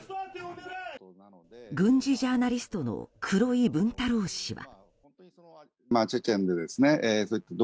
軍事ジャーナリストの黒井文太郎氏は。